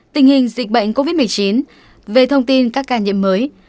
tình hình dịch bệnh covid một mươi chín về thông tin các ca nhiễm mới